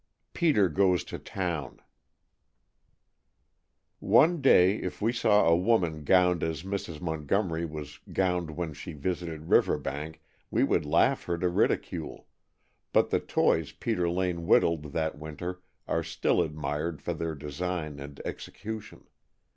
PETER GOES TO TOWN ONE DAY, if we saw a woman gowned as Mrs. Montgomery was gowned when she visited Riverbank, we would laugh her to ridicule, but the toys Peter Lane whittled that winter are still admired for their design and execution.